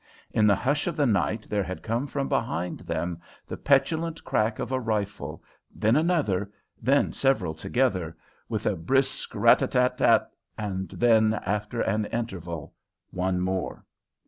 In the hush of the night there had come from behind them the petulant crack of a rifle, then another, then several together, with a brisk rat tat tat, and then, after an interval, one more.